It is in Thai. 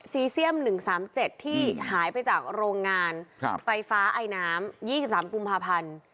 เซียม๑๓๗ที่หายไปจากโรงงานไฟฟ้าไอน้ำ๒๓กุมภาพันธ์